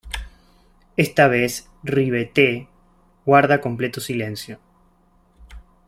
Esta vez Rivette guarda completo silencio.